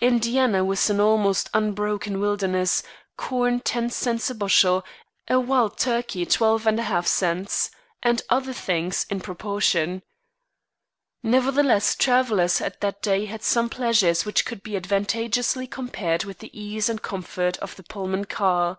Indiana was an almost unbroken wilderness: corn ten cents a bushel, a wild turkey twelve and half cents, and other things in proportion. Nevertheless, travelers at that day had some pleasures which could be advantageously compared with the ease and comfort of the Pullman car.